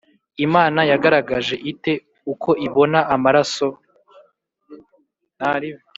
Imana yagaragaje ite uko ibona amaraso